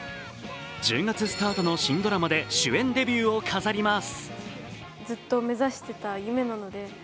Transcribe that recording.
１０月スタートの新ドラマで主演デビューを飾ります。